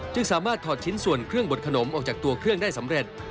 จึงสามารถถอดชิ้นส่วนเครื่องบดขนมออกจากตัวเครื่องได้สำเร็จ